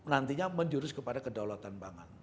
nantinya menjurus kepada kedaulatan pangan